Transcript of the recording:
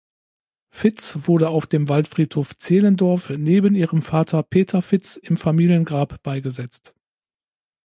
Fitz wurde auf dem Waldfriedhof Zehlendorf neben ihrem Vater Peter Fitz im Familiengrab beigesetzt.